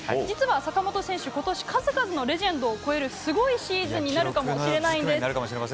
実は坂本選手、今年は数々のレジェンドを超える記録になるかもしれないんです。